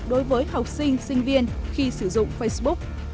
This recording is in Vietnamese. đối với học sinh sinh viên khi sử dụng facebook